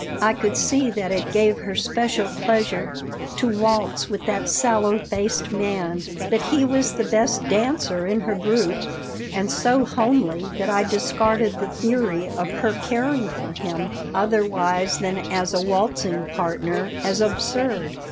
I could see that it gave her special pleasure to waltz with that sallow faced man, but he was the best dancer in her group, and so homely that I discarded the theory of her caring for him otherwise than as a waltzing partner as absurd.